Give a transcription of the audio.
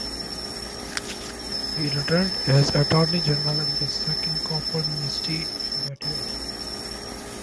He returned as Attorney General in the second Cowper Ministry in that year.